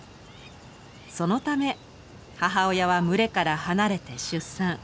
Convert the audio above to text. そのため母親は群れから離れて出産。